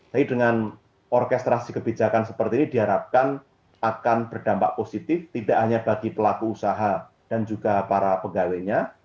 jadi dengan orkestrasi kebijakan seperti ini diharapkan akan berdampak positif tidak hanya bagi pelaku usaha dan juga para pegawainya